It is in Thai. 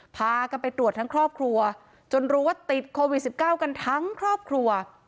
พากันไปตรวจทั้งครอบครัวจนรู้ว่าติดโควิด๑๙กันทั้งครอบครัว